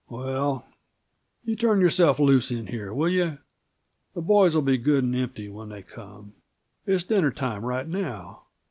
"Well, you turn yourself loose in here, will you? The boys will be good and empty when they come it's dinner time right now.